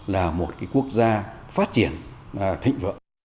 là một quốc gia phát triển thịnh vượng